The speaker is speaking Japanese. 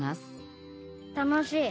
楽しい！